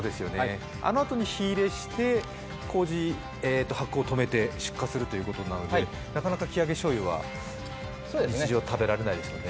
あのあとに火入れして、こうじの発酵をとめて出荷することになるのでなかなかきあげしょうゆは食べられないですね。